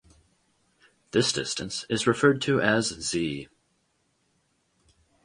This distance is referred to as Z.